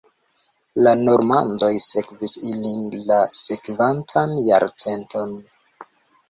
La normandoj sekvis ilin la sekvantan jarcenton.